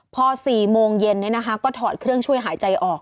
พอ๔โมงเย็นก็ถอดเครื่องช่วยหายใจออก